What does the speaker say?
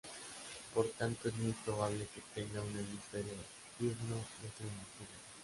Por tanto, es muy probable que tenga un hemisferio diurno y otro nocturno.